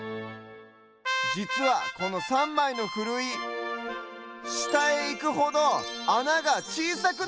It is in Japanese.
じつはこの３まいのふるいしたへいくほどあながちいさくなってる！